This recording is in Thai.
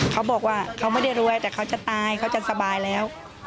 เขาบอกว่าเขาไม่ได้รวยแต่เขาจะตายเขาจะสบายแล้ว